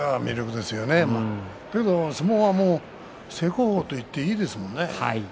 でも相撲は正攻法といっていいですものね。